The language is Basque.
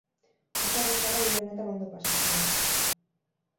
Oso erraza da hiri honetan ondo pasatzea.